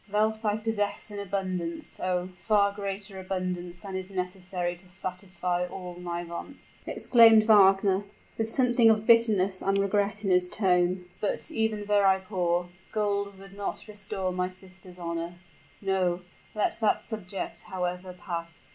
"Wealth I possess in abundance oh! far greater abundance than is necessary to satisfy all my wants!" exclaimed Wagner, with something of bitterness and regret in his tone; "but, even were I poor, gold would not restore my sister's honor. No let that subject, however, pass.